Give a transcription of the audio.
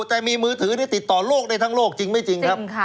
แต่มือถือติดต่อโลกในทั้งโลกจริงไม่จริง